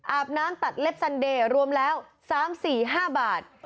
อาบน้ำตัดเล็บซันเดย์รวมแล้ว๓๔๕บาท